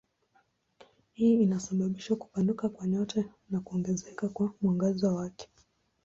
Hii inasababisha kupanuka kwa nyota na kuongezeka kwa mwangaza wake.